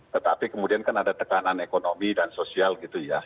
tetapi kemudian kan ada tekanan ekonomi dan sosial gitu ya